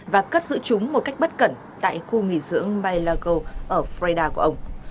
và cất giữ chúng một cách bất cẩn tại khu nghỉ dưỡng milagro ở florida của ông